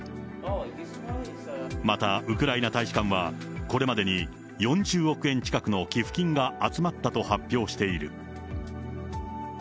またウクライナ大使館は、これまでに４０億円近くの寄付金が集まったと発表している。